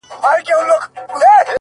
قرآن؛ انجیل؛ تلمود؛ گیتا به په قسم نیسې؛